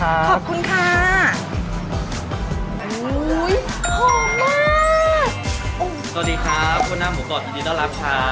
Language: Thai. สวัสดีครับคุณหน้าหมูกรอบยินดีต้อนรับครับ